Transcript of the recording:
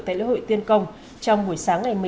tại lễ hội tiên công trong buổi sáng ngày một mươi